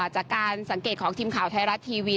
จากการสังเกตของทีมข่าวไทยรัฐทีวี